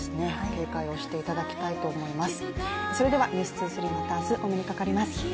警戒をしていただきたいと思います。